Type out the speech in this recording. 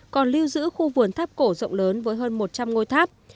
còn lưu giữ khu vườn tháp cổ rộng lớn với hơn một trăm linh ngôi tháp